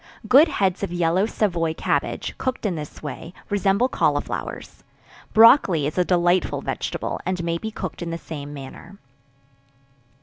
Good heads of yellow Savoy cabbage, cooked in this way, resemble cauliflowers. Brocolli is a delightful vegetable, and may be cooked in the same manner.